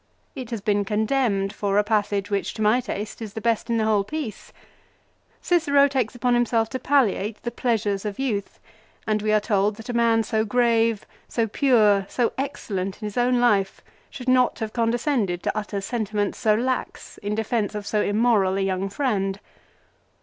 It has been condemned for a passage which to my taste is the best in the whole piece. Cicero takes upon himself to palliate the pleasures of youth, and we are told that a man so grave, so pure, so excellent in his own life, should not have condescended to utter sentiments so lax in defence of so immoral a young friend.